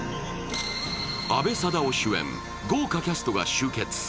阿部サダヲ主演、豪華キャストが集結。